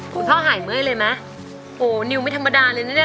พ่อหายเมื่อยเลยไหมโอ้นิวไม่ธรรมดาเลยนะเนี่ย